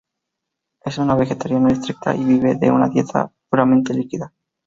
Es una vegetariana estricta, y vive de una dieta puramente líquida.